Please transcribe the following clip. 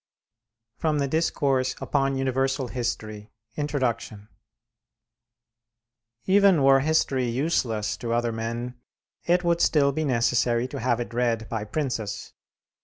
FROM THE 'DISCOURSE UPON UNIVERSAL HISTORY' INTRODUCTION Even were history useless to other men, it would still be necessary to have it read by princes.